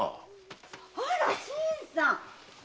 あら新さん